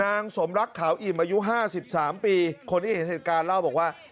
สมรักขาวอิ่มอายุ๕๓ปีคนที่เห็นเหตุการณ์เล่าบอกว่า